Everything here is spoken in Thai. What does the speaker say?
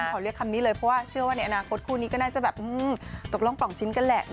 ขอเรียกคำนี้เลยเพราะว่าเชื่อว่าในอนาคตคู่นี้ก็น่าจะแบบตกลงปล่องชิ้นกันแหละ